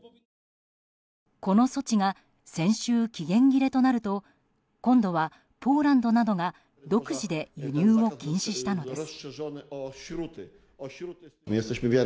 この措置が先週期限切れとなると今度はポーランドなどが独自で輸入を禁止したのです。